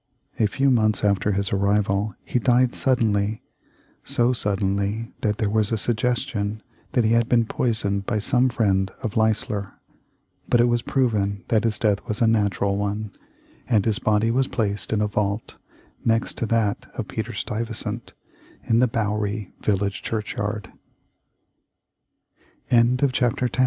A few months after his arrival he died suddenly, so suddenly that there was a suggestion that he had been poisoned by some friend of Leisler. But it was proven that his death was a natural one, and his body was placed in a vault next to that of Peter Stuyvesant, i